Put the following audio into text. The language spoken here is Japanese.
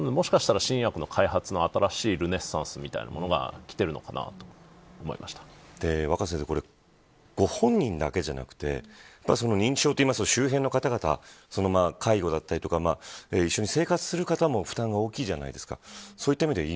もしかしたら新薬の新しい開発のルネサンスみたいなものが若狭さんご本人だけじゃなくて認知症というと周辺の方々介護だったり生活する方も負担が大きいじゃないですか。